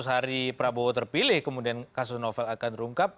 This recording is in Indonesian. seratus hari prabowo terpilih kemudian kasus novel akan terungkap